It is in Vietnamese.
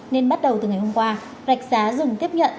nên bắt đầu từ ngày hôm qua rạch giá dừng tiếp nhận